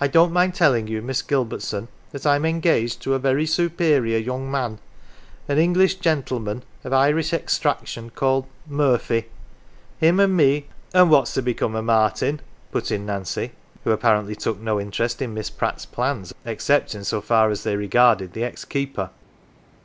I don't mind telling you, Miss Gilbertson, that I'm engaged to a very superior young 95 NANCY man, an English gentleman of Irish extraction, called Murphy. Him an 1 me " An 1 what's to become o 1 Martin ?" put in Nancy, who apparently took no interest in Miss Pratfs plans except in so far as they regarded the ex keeper.